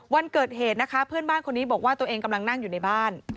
วันเกิดเหตุนะคะเพื่อนบ้านคนนี้บอกว่าตัวเองกำลังนั่งอยู่ในบ้าน